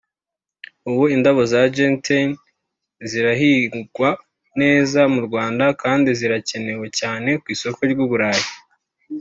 ubu indabo za Gentian zirahingwa neza mu Rwanda kandi zirakenewe cyane ku isoko ry’i Burayi